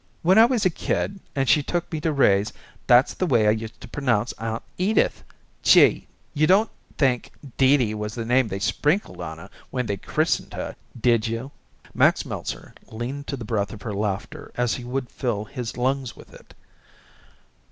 When I was a kid and she took me to raise, that's the way I used to pronounce Aunt Edith. Gee! you don't think Dee Dee was the name they sprinkled on her when they christened her, did you?" Max Meltzer leaned to the breath of her laughter as if he would fill his lungs with it.